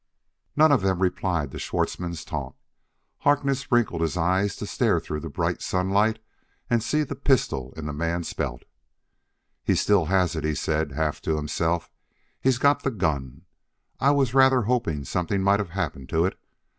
No one of them replied to Schwartzmann's taunt. Harkness wrinkled his eyes to stare through the bright sunlight and see the pistol in the man's belt. "He still has it," he said, half to himself: "he's got the gun. I was rather hoping something might have happened to it.